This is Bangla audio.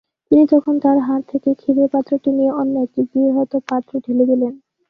তিনি তখন তার হাত থেকে ক্ষীরের পাত্রটি নিয়ে অন্য একটি বৃহৎ পাত্রে ঢেলে দিলেন।